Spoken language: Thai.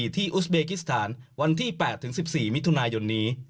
อุสเบกิสถานวันที่๘๑๔มิถุนายนนี้